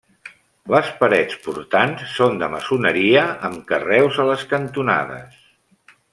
Les parets portants són de maçoneria, amb carreus a les cantonades.